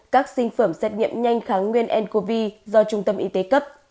các sinh phẩm xét nghiệm nhanh kháng nguyên ncov do trung tâm y tế cấp